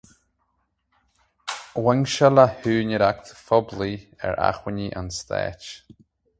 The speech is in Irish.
Bhain sé le húinéireacht phoiblí ar acmhainní an Stáit.